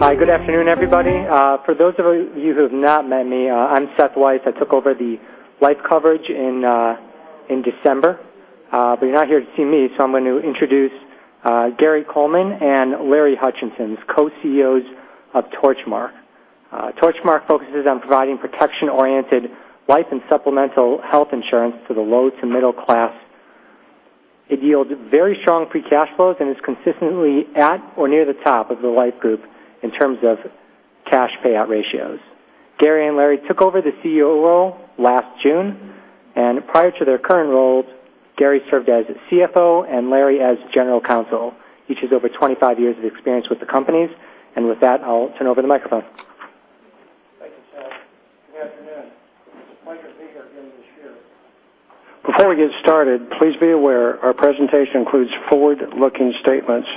Hi, good afternoon, everybody. For those of you who have not met me, I'm Seth Weiss. I took over the life coverage in December. You're not here to see me. I'm going to introduce Gary Coleman and Larry Hutchison, co-CEOs of Torchmark. Torchmark focuses on providing protection-oriented life and supplemental health insurance to the low to middle class. It yields very strong free cash flows and is consistently at or near the top of the life group in terms of cash payout ratios. Gary and Larry took over the CEO role last June. Prior to their current roles, Gary served as CFO and Larry as general counsel. Each has over 25 years of experience with the companies. With that, I'll turn over the microphone. Thank you, Seth. Good afternoon. The mics are bigger than we're used to. Before we get started, please be aware our presentation includes forward-looking statements.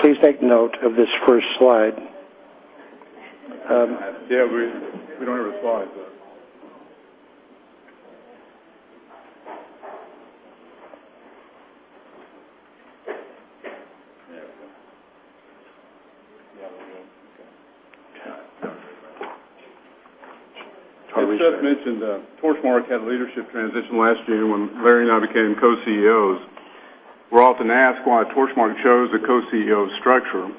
Please take note of this first slide. We don't have a slide though. There we go. There we go. Okay. As Seth mentioned, Torchmark had a leadership transition last year when Larry and I became co-CEOs. We're often asked why Torchmark chose the co-CEO structure.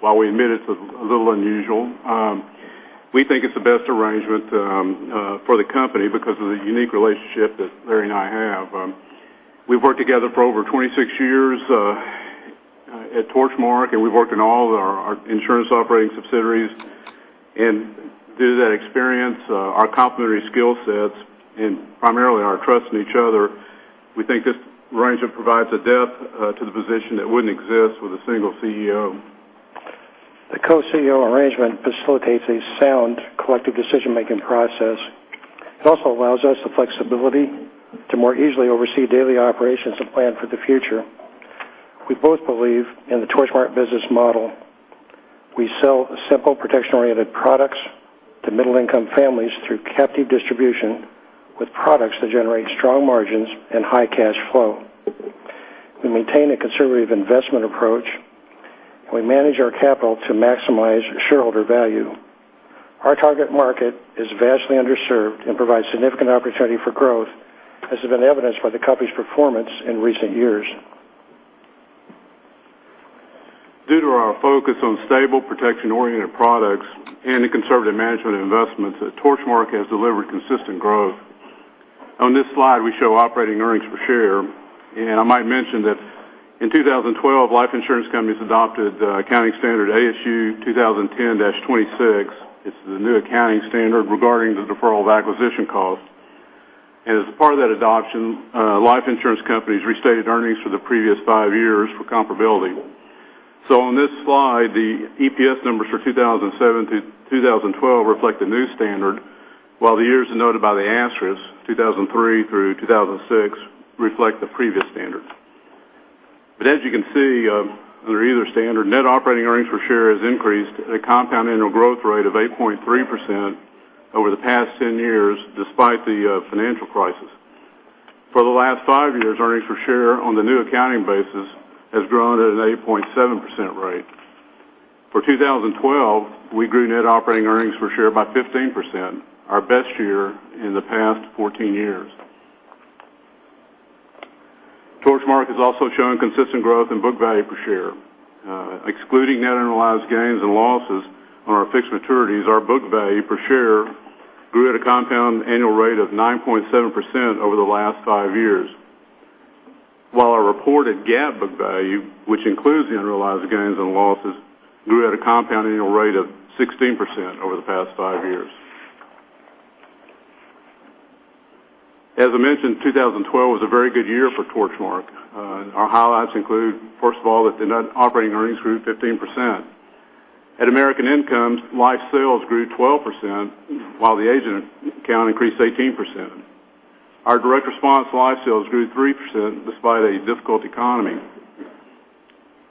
While we admit it's a little unusual, we think it's the best arrangement for the company because of the unique relationship that Larry and I have. We've worked together for over 26 years at Torchmark. We've worked in all of our insurance operating subsidiaries. Through that experience, our complementary skill sets, primarily our trust in each other, we think this arrangement provides a depth to the position that wouldn't exist with a single CEO. The co-CEO arrangement facilitates a sound collective decision-making process. It also allows us the flexibility to more easily oversee daily operations and plan for the future. We both believe in the Torchmark business model. We sell simple protection-oriented products to middle-income families through captive distribution with products that generate strong margins and high cash flow. We maintain a conservative investment approach. We manage our capital to maximize shareholder value. Our target market is vastly underserved. It provides significant opportunity for growth, as has been evidenced by the company's performance in recent years. Due to our focus on stable, protection-oriented products and the conservative management of investments, Torchmark Corporation has delivered consistent growth. On this slide, we show operating earnings per share. I might mention that in 2012, life insurance companies adopted accounting standard ASU 2010-26. It's the new accounting standard regarding the deferral of acquisition costs. As part of that adoption, life insurance companies restated earnings for the previous five years for comparability. On this slide, the EPS numbers for 2007 to 2012 reflect the new standard, while the years are noted by the asterisks, 2003 through 2006, reflect the previous standards. As you can see, under either standard, net operating earnings per share has increased at a compound annual growth rate of 8.3% over the past 10 years, despite the financial crisis. For the last five years, earnings per share on the new accounting basis has grown at an 8.7% rate. For 2012, we grew net operating earnings per share by 15%, our best year in the past 14 years. Torchmark Corporation has also shown consistent growth in book value per share. Excluding net unrealized gains and losses on our fixed maturities, our book value per share grew at a compound annual rate of 9.7% over the last five years. While our reported GAAP book value, which includes the unrealized gains and losses, grew at a compound annual rate of 16% over the past five years. As I mentioned, 2012 was a very good year for Torchmark Corporation. Our highlights include, first of all, that the net operating earnings grew 15%. At American Income Life Insurance Company, life sales grew 12%, while the agent count increased 18%. Our direct response life sales grew 3% despite a difficult economy.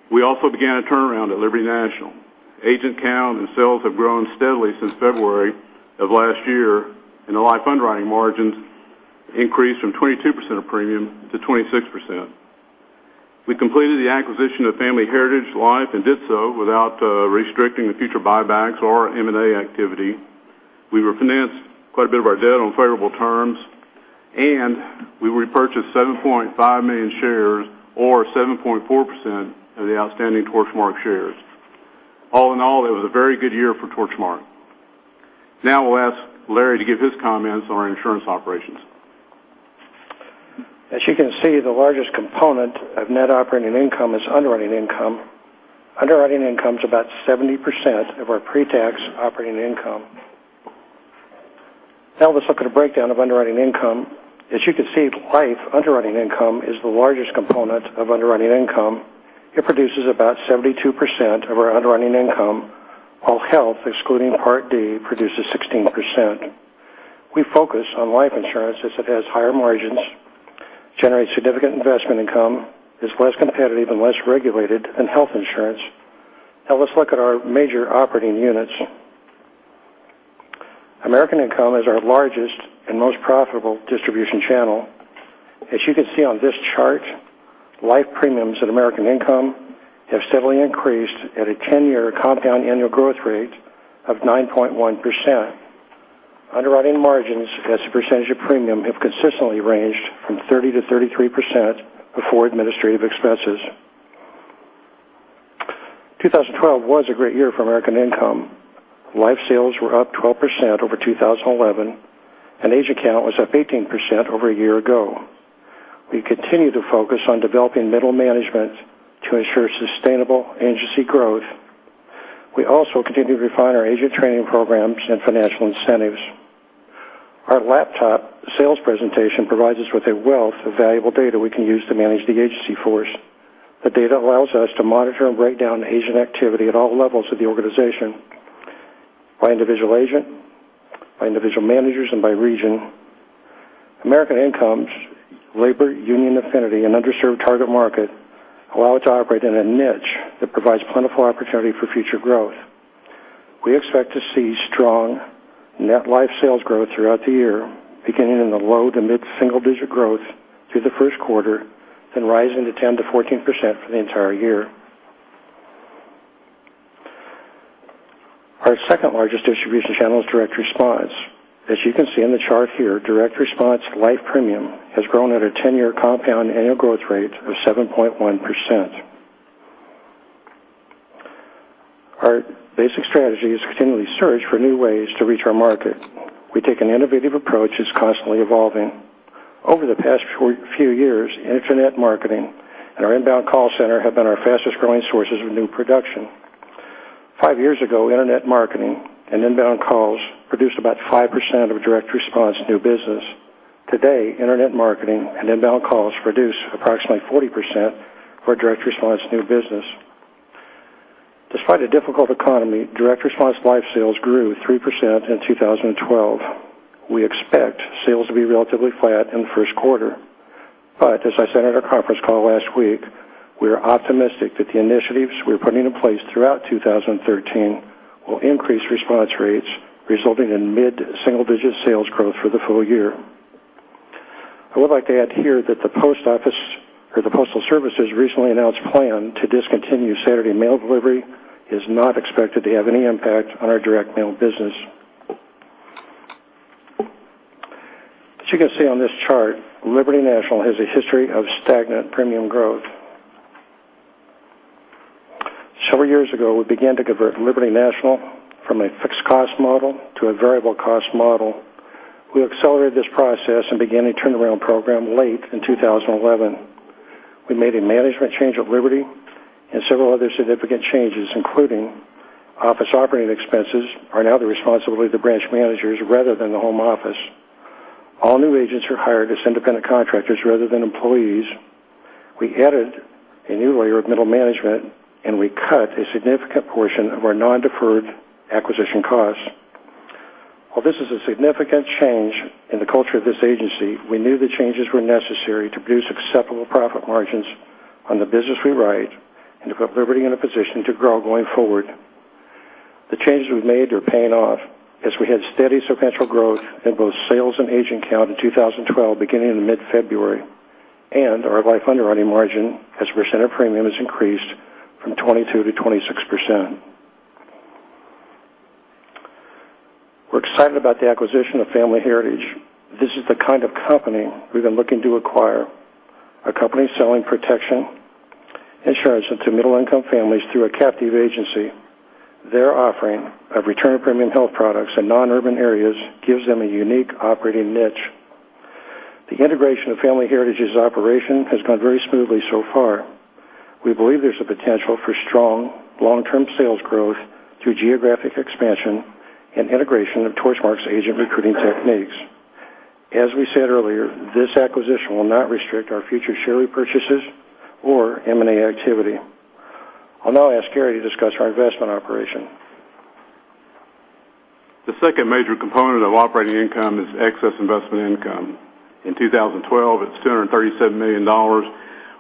We also began a turnaround at Liberty National Life Insurance Company. Agent count and sales have grown steadily since February of last year, and the life underwriting margins increased from 22% of premium to 26%. We completed the acquisition of Family Heritage Life Insurance Company of America and did so without restricting the future buybacks or M&A activity. We refinanced quite a bit of our debt on favorable terms, and we repurchased 7.5 million shares or 7.4% of the outstanding Torchmark Corporation shares. All in all, it was a very good year for Torchmark Corporation. I'll ask Larry Hutchison to give his comments on our insurance operations. As you can see, the largest component of net operating income is underwriting income. Underwriting income is about 70% of our pre-tax operating income. Let's look at a breakdown of underwriting income. As you can see, life underwriting income is the largest component of underwriting income. It produces about 72% of our underwriting income, while health, excluding Part D, produces 16%. We focus on life insurance as it has higher margins, generates significant investment income, is less competitive and less regulated than health insurance. Let's look at our major operating units. American Income Life Insurance Company is our largest and most profitable distribution channel. As you can see on this chart, life premiums at American Income Life Insurance Company have steadily increased at a 10-year compound annual growth rate of 9.1%. Underwriting margins as a percentage of premium have consistently ranged from 30%-33% before administrative expenses. 2012 was a great year for American Income. Life sales were up 12% over 2011, and agent count was up 18% over a year ago. We continue to focus on developing middle management to ensure sustainable agency growth. We also continue to refine our agent training programs and financial incentives. Our laptop sales presentation provides us with a wealth of valuable data we can use to manage the agency force. The data allows us to monitor and break down agent activity at all levels of the organization, by individual agent, by individual managers, and by region. American Income's labor union affinity and underserved target market allow it to operate in a niche that provides plentiful opportunity for future growth. We expect to see strong net life sales growth throughout the year, beginning in the low to mid-single digit growth through the first quarter, then rising to 10%-14% for the entire year. Our second-largest distribution channel is direct response. As you can see on the chart here, direct response life premium has grown at a 10-year compound annual growth rate of 7.1%. Our basic strategy is to continually search for new ways to reach our market. We take an innovative approach that's constantly evolving. Over the past few years, internet marketing and our inbound call center have been our fastest-growing sources of new production. Five years ago, internet marketing and inbound calls produced about 5% of direct response new business. Today, internet marketing and inbound calls produce approximately 40% of our direct response new business. Despite a difficult economy, direct response life sales grew 3% in 2012. We expect sales to be relatively flat in the first quarter. As I said in our conference call last week, we are optimistic that the initiatives we're putting in place throughout 2013 will increase response rates, resulting in mid-single-digit sales growth for the full year. I would like to add here that the post office or the Postal Service's recently announced plan to discontinue Saturday mail delivery is not expected to have any impact on our direct mail business. As you can see on this chart, Liberty National has a history of stagnant premium growth. Several years ago, we began to convert Liberty National from a fixed cost model to a variable cost model. We accelerated this process and began a turnaround program late in 2011. We made a management change at Liberty and several other significant changes, including office operating expenses are now the responsibility of the branch managers rather than the home office. All new agents are hired as independent contractors rather than employees. We added a new layer of middle management. We cut a significant portion of our non-deferred acquisition costs. While this is a significant change in the culture of this agency, we knew the changes were necessary to produce acceptable profit margins on the business we write and to put Liberty in a position to grow going forward. The changes we've made are paying off as we had steady sequential growth in both sales and agent count in 2012, beginning in mid-February, and our life underwriting margin as a percent of premium has increased from 22%-26%. We're excited about the acquisition of Family Heritage. This is the kind of company we've been looking to acquire, a company selling protection insurance to middle-income families through a captive agency. Their offering of return-of-premium health products in non-urban areas gives them a unique operating niche. The integration of Family Heritage's operation has gone very smoothly so far. We believe there's a potential for strong long-term sales growth through geographic expansion and integration of Torchmark's agent recruiting techniques. As we said earlier, this acquisition will not restrict our future share repurchases or M&A activity. I'll now ask Gary to discuss our investment operation. The second major component of operating income is excess investment income. In 2012, it's $237 million,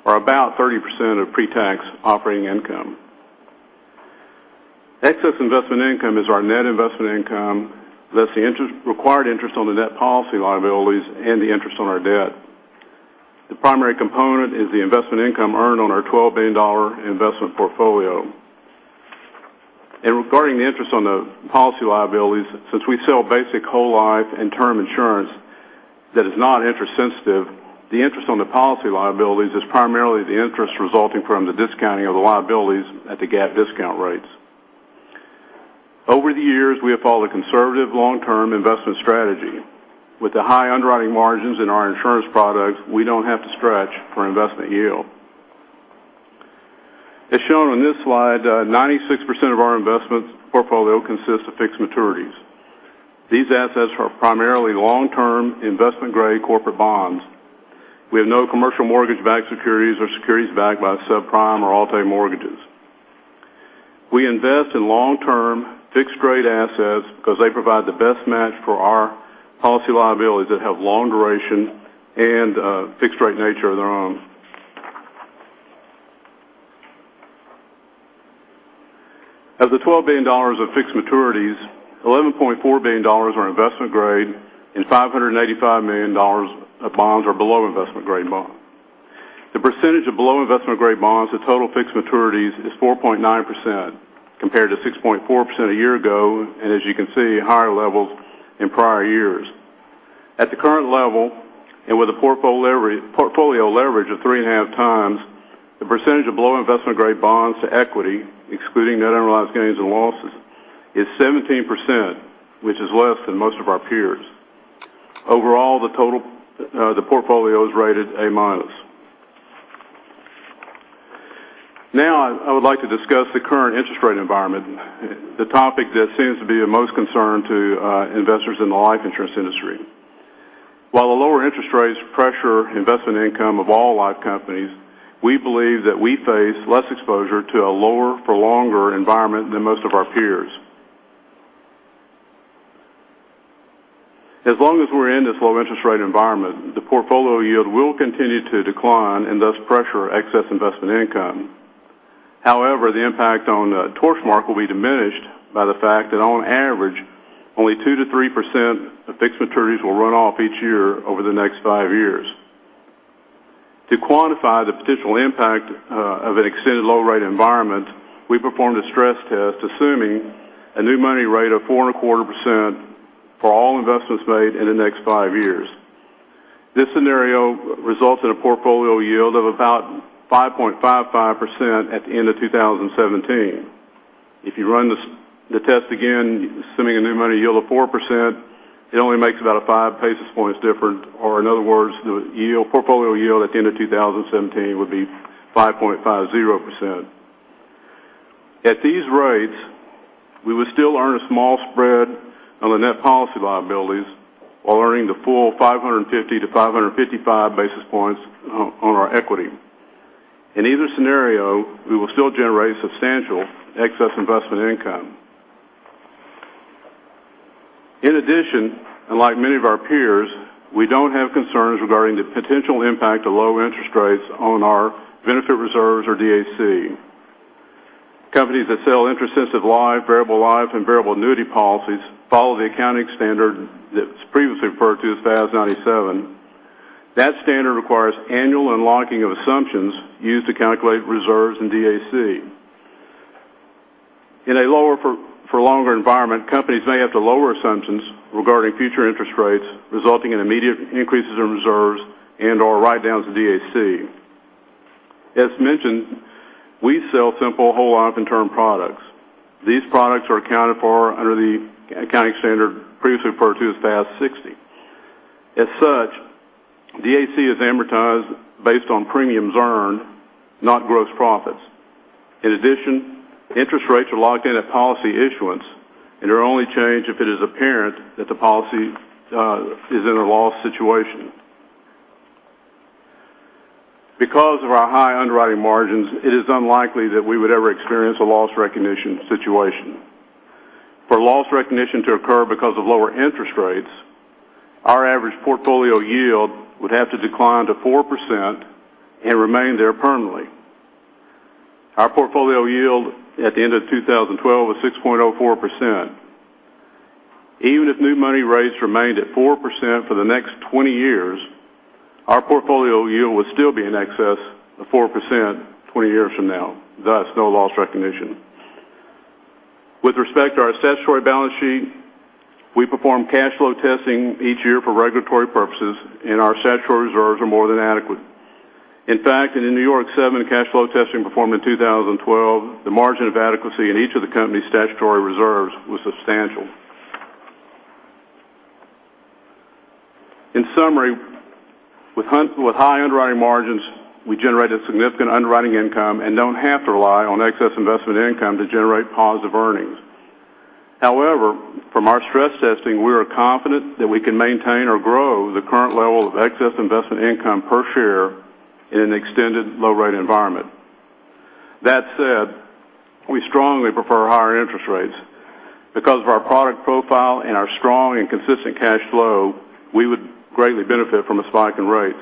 or about 30% of pre-tax operating income. Excess investment income is our net investment income, less the required interest on the net policy liabilities and the interest on our debt. The primary component is the investment income earned on our $12 billion investment portfolio. Regarding the interest on the policy liabilities, since we sell basic whole life and term insurance that is not interest sensitive, the interest on the policy liabilities is primarily the interest resulting from the discounting of the liabilities at the GAAP discount rates. Over the years, we have followed a conservative long-term investment strategy. With the high underwriting margins in our insurance products, we don't have to stretch for investment yield. As shown on this slide, 96% of our investment portfolio consists of fixed maturities. These assets are primarily long-term investment-grade corporate bonds. We have no commercial mortgage-backed securities or securities backed by subprime or Alt-A mortgages. We invest in long-term fixed-rate assets because they provide the best match for our policy liabilities that have long duration and fixed rate nature of their own. Of the $12 billion of fixed maturities, $11.4 billion are investment grade and $585 million of bonds are below investment-grade bonds. The percentage of below investment-grade bonds to total fixed maturities is 4.9%, compared to 6.4% a year ago, and as you can see, higher levels in prior years. At the current level, and with a portfolio leverage of 3.5x, the percentage of below investment-grade bonds to equity, excluding net unrealized gains and losses, is 17%, which is less than most of our peers. Overall, the portfolio is rated A minus. I would like to discuss the current interest rate environment, the topic that seems to be of most concern to investors in the life insurance industry. While the lower interest rates pressure investment income of all life companies, we believe that we face less exposure to a lower for longer environment than most of our peers. As long as we're in this low interest rate environment, the portfolio yield will continue to decline and thus pressure excess investment income. However, the impact on Torchmark will be diminished by the fact that on average, only 2%-3% of fixed maturities will run off each year over the next five years. To quantify the potential impact of an extended low rate environment, we performed a stress test assuming a new money rate of 4.25% for all investments made in the next five years. This scenario results in a portfolio yield of about 5.55% at the end of 2017. If you run the test again, assuming a new money yield of 4%, it only makes about a 5 basis points difference, or in other words, the portfolio yield at the end of 2017 would be 5.50%. At these rates, we would still earn a small spread on the net policy liabilities while earning the full 550-555 basis points on our equity. In either scenario, we will still generate substantial excess investment income. In addition, unlike many of our peers, we don't have concerns regarding the potential impact of low interest rates on our benefit reserves or DAC. Companies that sell interest-sensitive life, variable life, and variable annuity policies follow the accounting standard that's previously referred to as FAS 97. That standard requires annual unlocking of assumptions used to calculate reserves in DAC. In a lower for longer environment, companies may have to lower assumptions regarding future interest rates, resulting in immediate increases in reserves and/or write-downs of DAC. As mentioned, we sell simple whole life and term products. These products are accounted for under the accounting standard previously referred to as FAS 60. As such, DAC is amortized based on premiums earned, not gross profits. In addition, interest rates are locked in at policy issuance and are only changed if it is apparent that the policy is in a loss situation. Because of our high underwriting margins, it is unlikely that we would ever experience a loss recognition situation. For loss recognition to occur because of lower interest rates, our average portfolio yield would have to decline to 4% and remain there permanently. Our portfolio yield at the end of 2012 was 6.04%. Even if new money rates remained at 4% for the next 20 years, our portfolio yield would still be in excess of 4% 20 years from now, thus no loss recognition. With respect to our statutory balance sheet, we perform cash flow testing each year for regulatory purposes, our statutory reserves are more than adequate. In fact, in the New York 7 cash flow testing performed in 2012, the margin of adequacy in each of the company's statutory reserves was substantial. In summary, with high underwriting margins, we generated significant underwriting income don't have to rely on excess investment income to generate positive earnings. However, from our stress testing, we are confident that we can maintain or grow the current level of excess investment income per share in an extended low rate environment. That said, we strongly prefer higher interest rates. Because of our product profile our strong and consistent cash flow, we would greatly benefit from a spike in rates.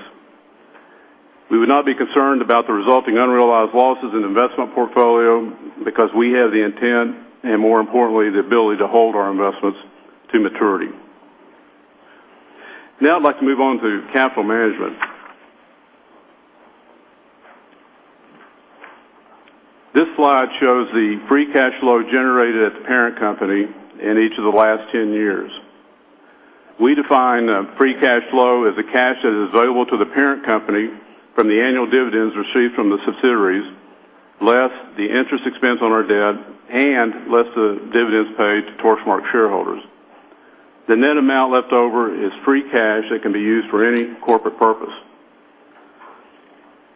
We would not be concerned about the resulting unrealized losses in investment portfolio because we have the intent and more importantly, the ability to hold our investments to maturity. Now I'd like to move on to capital management. This slide shows the free cash flow generated at the parent company in each of the last 10 years. We define free cash flow as the cash that is available to the parent company from the annual dividends received from the subsidiaries, less the interest expense on our debt and less the dividends paid to Torchmark shareholders. The net amount left over is free cash that can be used for any corporate purpose.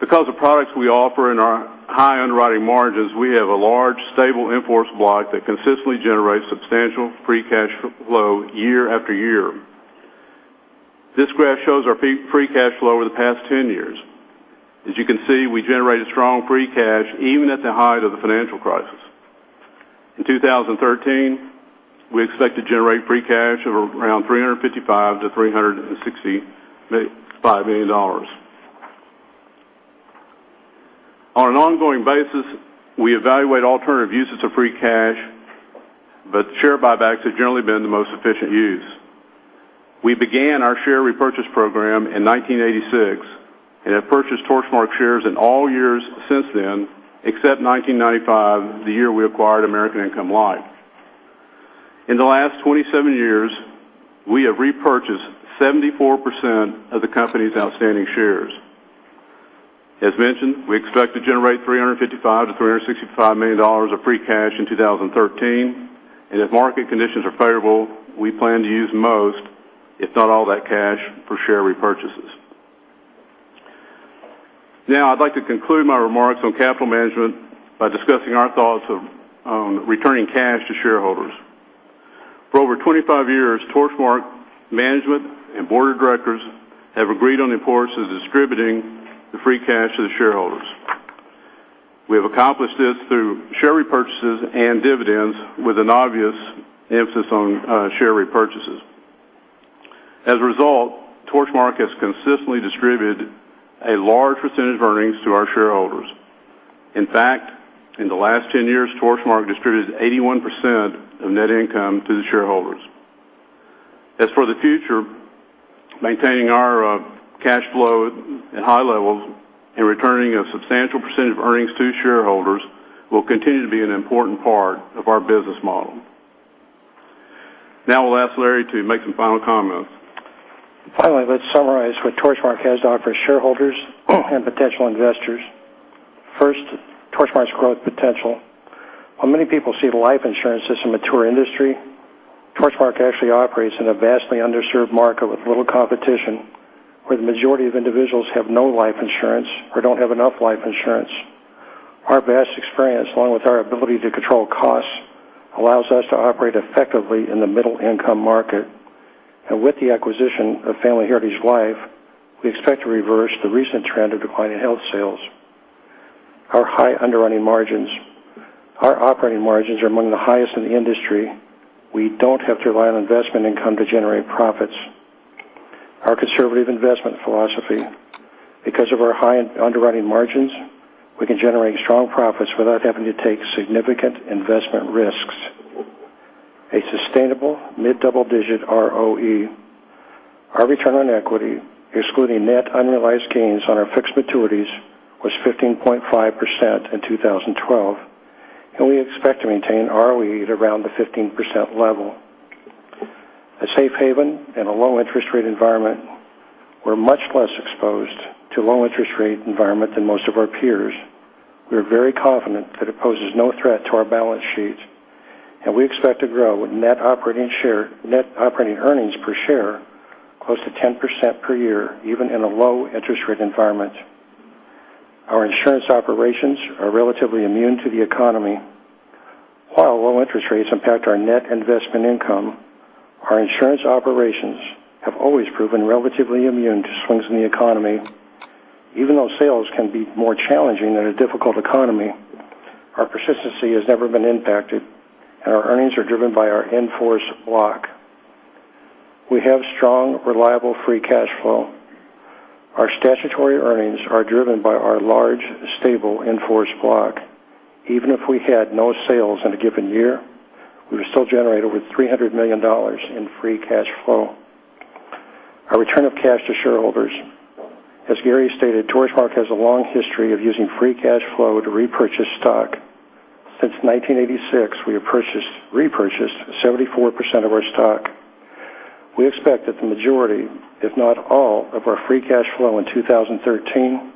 Because of the products we offer and our high underwriting margins, we have a large, stable in-force block that consistently generates substantial free cash flow year after year. This graph shows our free cash flow over the past 10 years. As you can see, we generated strong free cash even at the height of the financial crisis. In 2013, we expect to generate free cash of around $355 million to $365 million. On an ongoing basis, we evaluate alternative uses of free cash, but share buybacks have generally been the most efficient use. We began our share repurchase program in 1986 and have purchased Torchmark shares in all years since then, except 1995, the year we acquired American Income Life. In the last 27 years, we have repurchased 74% of the company's outstanding shares. As mentioned, we expect to generate $355 million to $365 million of free cash in 2013, and if market conditions are favorable, we plan to use most, if not all that cash for share repurchases. Now, I'd like to conclude my remarks on capital management by discussing our thoughts on returning cash to shareholders. For over 25 years, Torchmark management and board of directors have agreed on the importance of distributing the free cash to the shareholders. We have accomplished this through share repurchases and dividends with an obvious emphasis on share repurchases. As a result, Torchmark has consistently distributed a large percentage of earnings to our shareholders. In fact, in the last 10 years, Torchmark distributed 81% of net income to the shareholders. As for the future, maintaining our cash flow at high levels and returning a substantial percentage of earnings to shareholders will continue to be an important part of our business model. Now I'll ask Larry to make some final comments. Finally, let's summarize what Torchmark has to offer shareholders and potential investors. First, Torchmark's growth potential. While many people see the life insurance as a mature industry, Torchmark actually operates in a vastly underserved market with little competition, where the majority of individuals have no life insurance or don't have enough life insurance. Our vast experience, along with our ability to control costs, allows us to operate effectively in the middle-income market. With the acquisition of Family Heritage Life, we expect to reverse the recent trend of declining health sales. Our high underwriting margins. Our operating margins are among the highest in the industry. We don't have to rely on investment income to generate profits. Our conservative investment philosophy. Because of our high underwriting margins, we can generate strong profits without having to take significant investment risks. A sustainable mid-double-digit ROE. Our return on equity, excluding net unrealized gains on our fixed maturities, was 15.5% in 2012. We expect to maintain ROE at around the 15% level. A safe haven in a low interest rate environment. We are much less exposed to low interest rate environment than most of our peers. We are very confident that it poses no threat to our balance sheet. We expect to grow net operating earnings per share close to 10% per year, even in a low interest rate environment. Our insurance operations are relatively immune to the economy. While low interest rates impact our net investment income, our insurance operations have always proven relatively immune to swings in the economy. Even though sales can be more challenging in a difficult economy, our persistency has never been impacted. Our earnings are driven by our in-force block. We have strong, reliable free cash flow. Our statutory earnings are driven by our large, stable in-force block. Even if we had no sales in a given year, we would still generate over $300 million in free cash flow. Our return of cash to shareholders. As Gary stated, Torchmark has a long history of using free cash flow to repurchase stock. Since 1986, we have repurchased 74% of our stock. We expect that the majority, if not all, of our free cash flow in 2013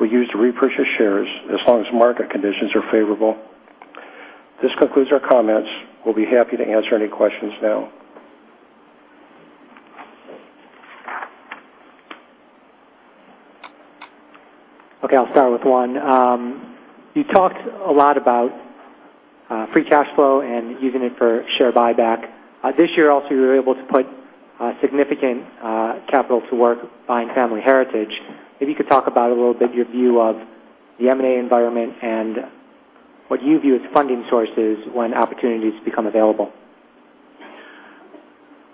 will be used to repurchase shares as long as market conditions are favorable. This concludes our comments. We will be happy to answer any questions now. Okay, I will start with one. You talked a lot about free cash flow and using it for share buyback. This year, also, you were able to put significant capital to work buying Family Heritage. Maybe you could talk about a little bit your view of the M&A environment and what you view as funding sources when opportunities become available.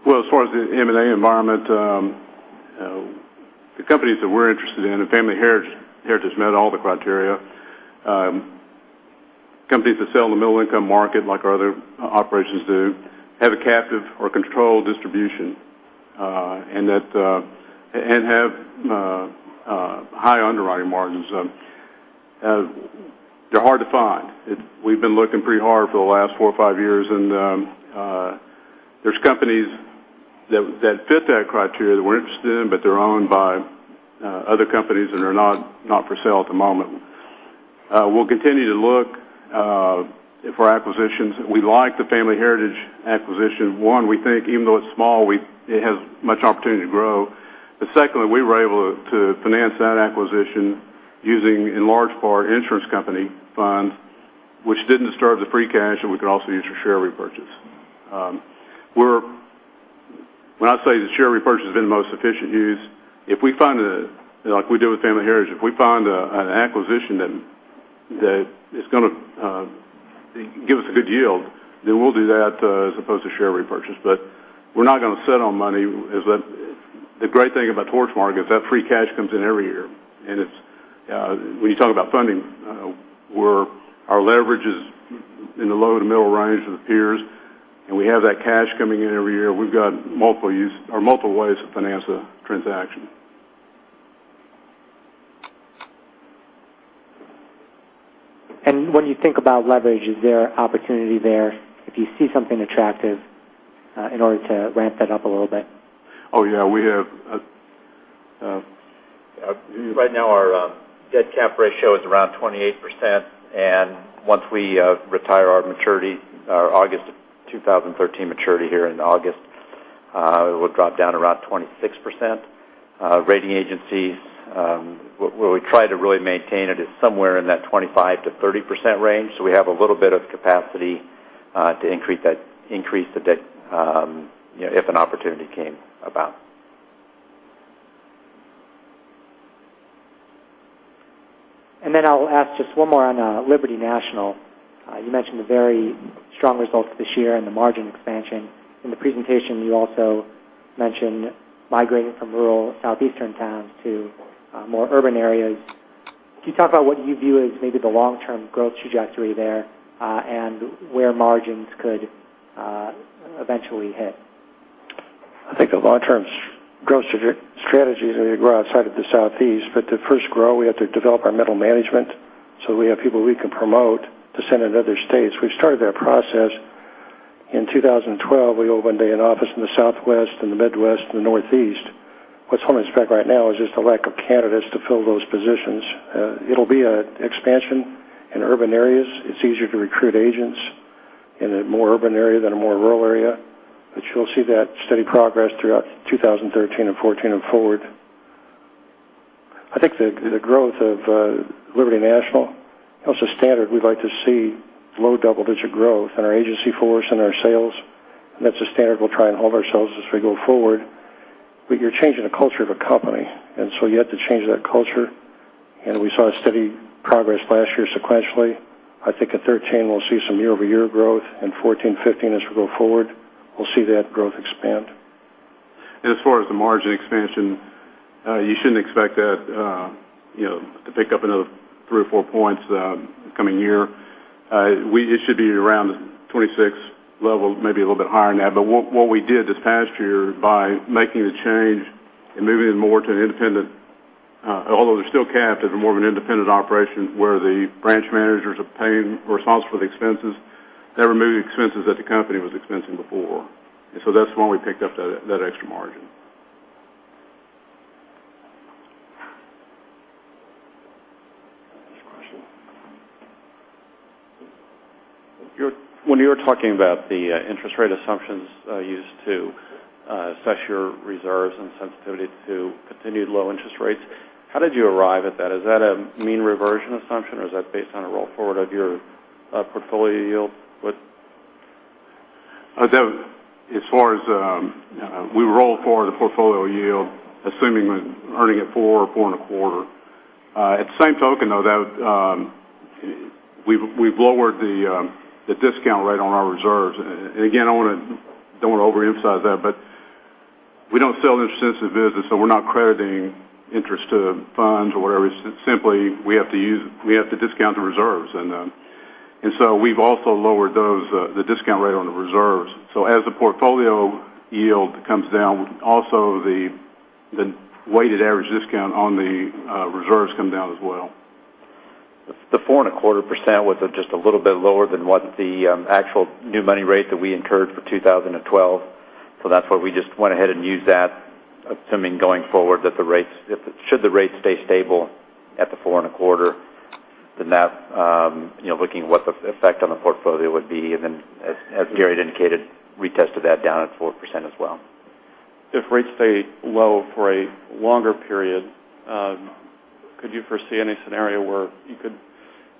As far as the M&A environment, the companies that we are interested in, and Family Heritage met all the criteria. Companies that sell in the middle income market, like our other operations do, have a captive or controlled distribution, and have high underwriting margins. They are hard to find. We have been looking pretty hard for the last four or five years, and there are companies that fit that criteria that we are interested in, but they are owned by other companies that are not for sale at the moment. We will continue to look for acquisitions. We like the Family Heritage acquisition. One, we think even though it is small, it has much opportunity to grow. Secondly, we were able to finance that acquisition using, in large part, insurance company funds, which didn't disturb the free cash that we could also use for share repurchase. When I say the share repurchase has been the most efficient use, like we did with Family Heritage, if we find an acquisition that is going to give us a good yield, then we'll do that as opposed to share repurchase. We're not going to sit on money as the great thing about Torchmark is that free cash comes in every year. When you talk about funding, our leverage is in the low to middle range of the peers, and we have that cash coming in every year. We've got multiple ways to finance a transaction. When you think about leverage, is there opportunity there if you see something attractive in order to ramp that up a little bit? Oh, yeah. Right now our debt cap ratio is around 28%, and once we retire our August 2013 maturity here in August, it will drop down to around 26%. Rating agencies, where we try to really maintain it, is somewhere in that 25%-30% range. We have a little bit of capacity to increase the debt if an opportunity came about. I'll ask just one more on Liberty National. You mentioned the very strong results this year and the margin expansion. In the presentation, you also mentioned migrating from rural Southeastern towns to more urban areas. Could you talk about what you view as maybe the long-term growth trajectory there, and where margins could eventually hit? I think the long-term growth strategy is going to grow outside of the Southeast. To first grow, we have to develop our middle management so that we have people we can promote to send to other states. We've started that process. In 2012, we opened an office in the Southwest and the Midwest and the Northeast. What's holding us back right now is just the lack of candidates to fill those positions. It'll be an expansion in urban areas. It's easier to recruit agents in a more urban area than a more rural area. You'll see that steady progress throughout 2013 and 2014 and forward. I think the growth of Liberty National, that's the standard we'd like to see low double-digit growth in our agency force and our sales. That's the standard we'll try and hold ourselves as we go forward. You're changing the culture of a company, you have to change that culture. We saw a steady progress last year sequentially. I think in 2013 we'll see some year-over-year growth. In 2014, 2015, as we go forward, we'll see that growth expand. As far as the margin expansion, you shouldn't expect that to pick up another three or four points coming year. It should be around the 26 level, maybe a little bit higher than that. What we did this past year by making the change and moving it more to an independent, although they're still capped, is more of an independent operation where the branch managers are paying responsible for the expenses. That removed expenses that the company was expensing before. That's when we picked up that extra margin. Next question. When you were talking about the interest rate assumptions used to assess your reserves and sensitivity to continued low interest rates, how did you arrive at that? Is that a mean reversion assumption, or is that based on a roll-forward of your portfolio yield? As far as we roll forward the portfolio yield, assuming we're earning at 4%, 4.25%. At the same token, though, we've lowered the discount rate on our reserves. Again, I don't want to overemphasize that, but we don't sell interest-sensitive business, so we're not crediting interest to funds or whatever. It's simply we have to discount the reserves. We've also lowered the discount rate on the reserves. As the portfolio yield comes down, also the weighted average discount on the reserves come down as well. The 4.25% was just a little bit lower than what the actual new money rate that we incurred for 2012. That's why we just went ahead and used that, assuming going forward that should the rates stay stable at the 4.25%, then that, looking at what the effect on the portfolio would be, and then as Gary had indicated, we tested that down at 4% as well. If rates stay low for a longer period, could you foresee any scenario where you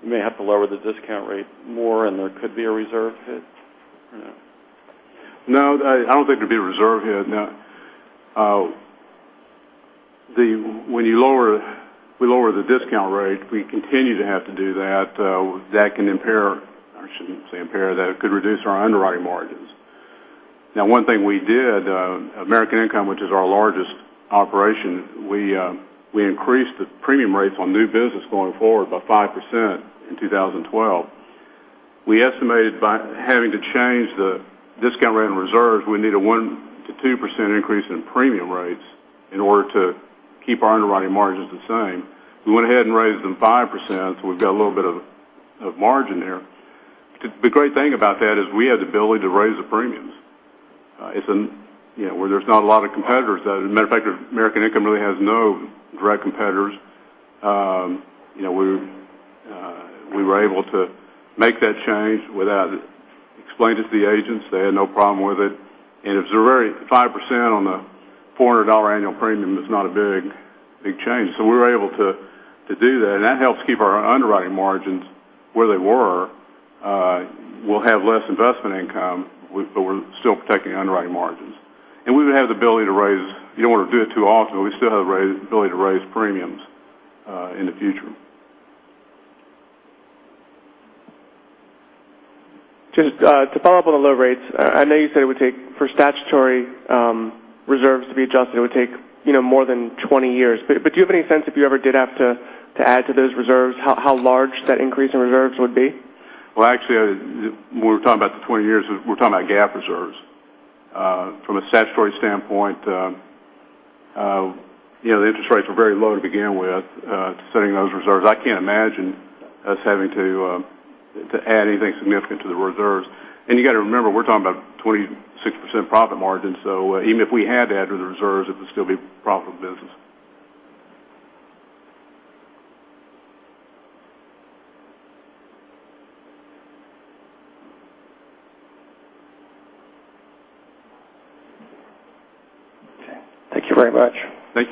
may have to lower the discount rate more and there could be a reserve hit? No, I don't think there'd be a reserve hit, no. When you lower the discount rate, we continue to have to do that. That can impair, I shouldn't say impair, that it could reduce our underwriting margins. One thing we did, American Income, which is our largest operation, we increased the premium rates on new business going forward by 5% in 2012. We estimated by having to change the discount rate and reserves, we need a 1%-2% increase in premium rates in order to keep our underwriting margins the same. We went ahead and raised them 5%, so we've got a little bit of margin there. The great thing about that is we have the ability to raise the premiums where there's not a lot of competitors. As a matter of fact, American Income really has no direct competitors. We were able to make that change without explaining to the agents. They had no problem with it. 5% on a $400 annual premium is not a big change. We were able to do that, and that helps keep our underwriting margins where they were. We'll have less investment income, but we're still protecting underwriting margins. We would have the ability to raise, you don't want to do it too often, but we still have the ability to raise premiums in the future. Just to follow up on the low rates, I know you said for statutory reserves to be adjusted, it would take more than 20 years. Do you have any sense if you ever did have to add to those reserves, how large that increase in reserves would be? Well, actually, when we're talking about the 20 years, we're talking about GAAP reserves. From a statutory standpoint, the interest rates were very low to begin with to setting those reserves. I can't imagine us having to add anything significant to the reserves. You got to remember, we're talking about 26% profit margins. Even if we had to add to the reserves, it would still be profitable business. Okay. Thank you very much.